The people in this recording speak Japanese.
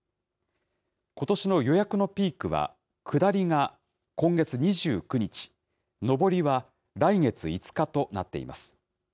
ことしの予約のピークは下りが今月２９日、上りは来月５日となっています。